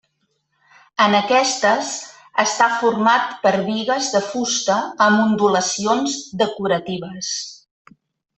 En aquestes, està format per bigues de fusta amb ondulacions decoratives.